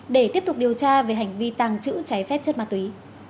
để tiếp tục điều tra về hành vi tàng trữ trái phép chất ma túy